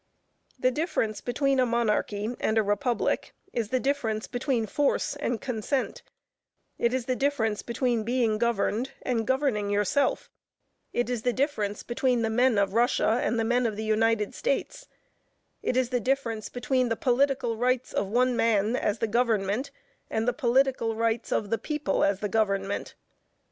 The difference between a monarchy and a republic is the difference between force and consent; it is the difference between being governed and governing yourself; it is the difference between the men of Russia and the men of the United States; it is the difference between the political rights of one man as the government and the political rights of the people as the government.